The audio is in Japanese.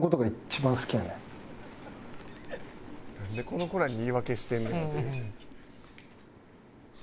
なんでこの子らに言い訳してんねん。